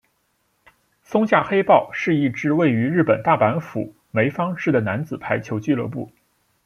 松下黑豹是一支位于日本大阪府枚方市的男子排球俱乐部。